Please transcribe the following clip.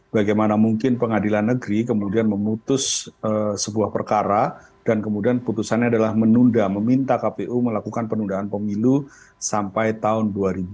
bagaimana mungkin pengadilan negeri kemudian memutus sebuah perkara dan kemudian putusannya adalah menunda meminta kpu melakukan penundaan pemilu sampai tahun dua ribu dua puluh